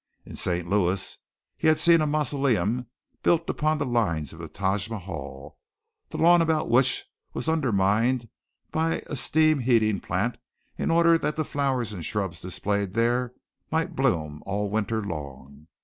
In St. Louis he had seen a mausoleum built upon the lines of the Taj Mahal, the lawn about which was undermined by a steam heating plant in order that the flowers and shrubs displayed there might bloom all winter long.